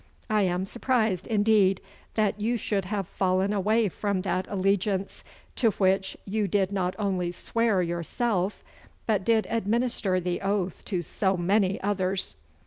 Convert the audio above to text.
I am surprised, indeed, that you should have fallen away from that allegiance to which you did not only swear yourself, but did administer the oath to so many others.